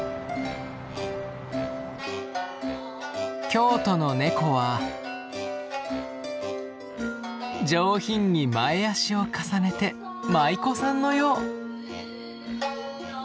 京都のネコは上品に前足を重ねて舞妓さんのよう。